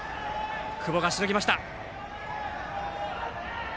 久保がしのぎました。